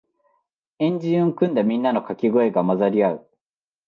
円陣を組んだみんなのかけ声が混ざり合う